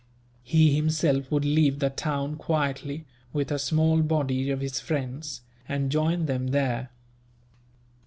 He himself would leave the town quietly, with a small body of his friends, and join them there.